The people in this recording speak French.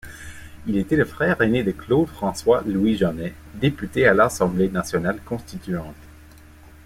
Il était le frère aîné de Claude-François-Louis Jeannest, député à l'Assemblée nationale constituante.